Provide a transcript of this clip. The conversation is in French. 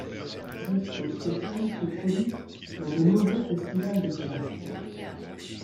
Joscho Stephan se produit dans de nombreux festivals de jazz.